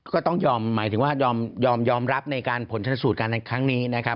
ก็ต้องยอมหมายถึงว่ายอมรับในการผลชนสูตรการในครั้งนี้นะครับ